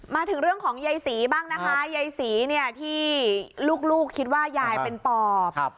มาถึงเรื่องของยายศรีบ้างนะคะยายศรีเนี่ยที่ลูกคิดว่ายายเป็นปอบ